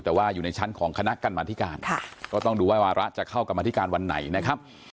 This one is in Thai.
แต่ว่าอยู่ในชั้นของคณะกรรมธิการก็ต้องดูว่าวาระจะเข้ากรรมธิการวันไหนนะครับ